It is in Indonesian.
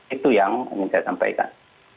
itu yang ingin saya sampaikan